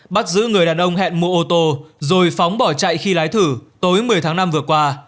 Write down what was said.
bắt giữ người đàn ông hẹn mua ô tô rồi phóng bỏ chạy khi lái thử tối một mươi tháng năm vừa qua